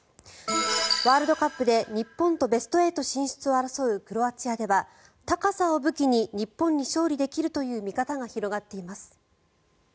ワールドカップで日本とベスト８進出を争うクロアチアでは高さを武器に日本に勝利できるという見方が広がっています。